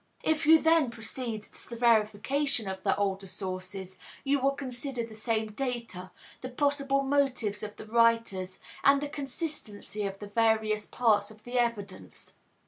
If you then proceed to the verification of the older sources, you will consider the same data, the possible motives of the writers and the consistency of the various parts of the evidence.